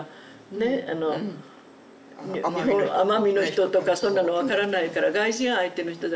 ねあの奄美の人とかそんなの分からないから外人相手の人だから。